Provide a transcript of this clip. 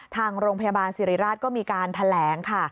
ทางโรงพยาบาลสิริราชก็มีการแถลงค่ะ